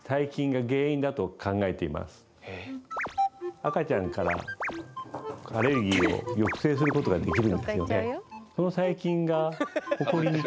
赤ちゃんからアレルギーを抑制することができるんですよね。